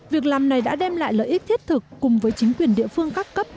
việc làm này đã đem lại lợi ích thiết thực cùng với chính quyền địa phương các cấp